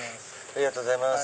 ありがとうございます。